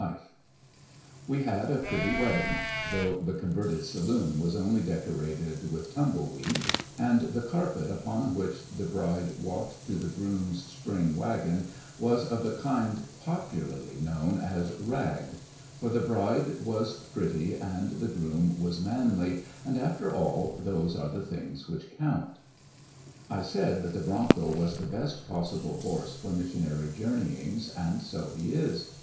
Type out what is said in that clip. TUmbieu/eed We had a pretty wedding, though the con verted saloon was only decorated with tum bleweed, and the carpet upon which the bride walked to the groom's spring wagon was of the kind popularly known os "rag" 5 for the bride was pretty and the groom was 58 ']yiissionarY in iPfe Great West manly^ and, after all, those are the things which count I said that the bronco was the best possible inpmseof „.,..,,. broncos horse for missionary journeyings, and so he is.